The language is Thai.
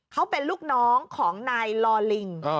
เขาเป็นลูกน้องของนายลอลิง